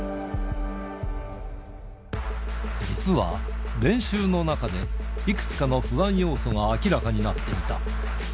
実は、練習の中で、いくつかの不安要素が明らかになっていた。